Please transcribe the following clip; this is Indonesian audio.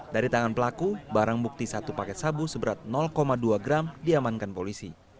dari tangan pelaku barang bukti satu paket sabu seberat dua gram diamankan polisi